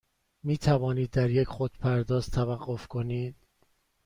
می توانید در یک خودپرداز توقف کنید؟